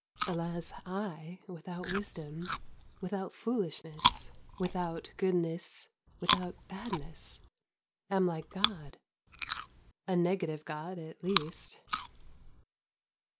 Alas, I, without wisdom, without foolishness, without good ness, without badness, — am like God, a negative god at least